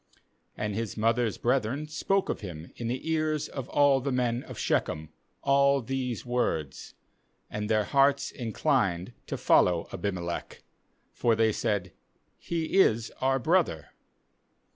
3And his mother's brethren spoke of him in the ears of all the men of Shechem all these words; and their hearts inclined to follow Abimelech; for they said: 'He is our brother.'